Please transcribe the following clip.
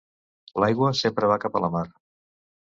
L'aigua sempre va cap a la mar.